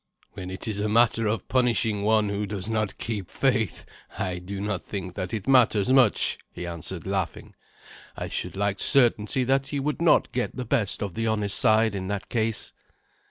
"When it is a matter of punishing one who does not keep faith, I do not think that it matters much," he answered, laughing. "I should like certainty that he would not get the best of the honest side in that case."